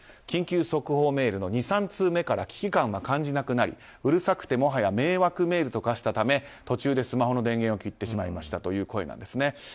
緊急速報メールの２３通目から危機感は感じなくなりうるさくてもはや迷惑メールと化したため途中でスマホの電源を切ってしまいましたという声なんですね。